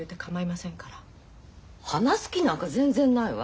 話す気なんか全然ないわ。